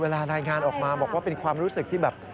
รายงานออกมาบอกว่าเป็นความรู้สึกที่แบบ